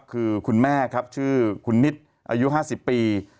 คือคุณแม่ครับชื่อคุณนิดอายุ๕๐ปี